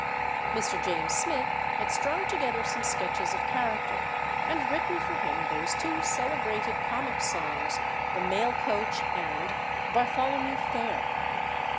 Mr. James Smith had strung together some sketches of character, and written for him those two celebrated comic songs, "The Mail Coach" and "Bartholomew Fair."